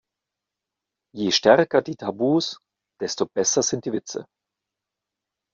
Je stärker die Tabus, desto besser sind die Witze.